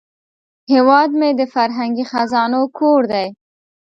هیواد مې د فرهنګي خزانو کور دی